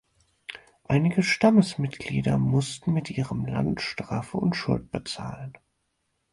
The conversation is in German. Einige Stammesmitglieder mussten mit ihrem Land Strafen und Schulden bezahlen.